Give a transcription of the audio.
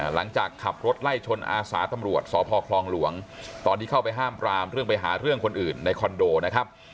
หลังจากขับรถไล่ชนอาสาตำรวจสพคลองหลวงตอนที่เข้าไปห้ามปรามเรื่องไปหาเรื่องคนอื่นในคอนโดนะครับ